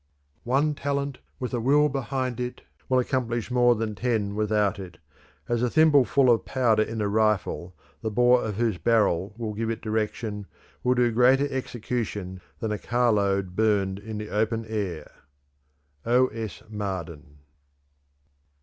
_ "One talent with a will behind it will accomplish more than ten without it, as a thimbleful of powder in a rifle, the bore of whose barrel will give it direction, will do greater execution than a carload burned in the open air." _O.S. Marden.